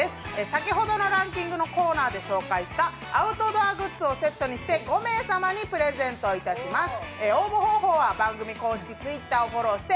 先ほどのランキングのコーナーで紹介したアウトドアグッズをセットにして５名様にプレゼントします。